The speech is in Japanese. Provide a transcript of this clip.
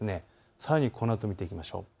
さらにこのあと見ていきましょう。